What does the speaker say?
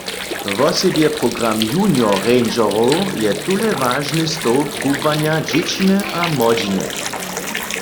Wosebje program junior-rangerow je tule wažny stołp kubłanja dźěćiny a młodźiny.